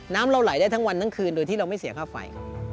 น้ำเราไหลได้ทั้งวันทั้งคืนโดยที่เราไม่เสียค่าไฟครับ